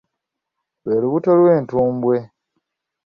Lwe lubuto lw'entumbwe.